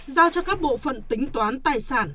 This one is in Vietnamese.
giao cho các bộ phận tính toán tài sản